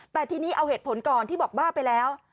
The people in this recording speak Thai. แต่ทีนี้เอาเหตุผลก่อนที่บอกบ้าไปแล้ว